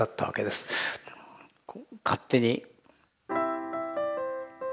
勝手に。